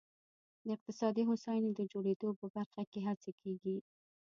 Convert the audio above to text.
د اقتصادي هوساینې د جوړېدو په برخه کې هڅې کېږي.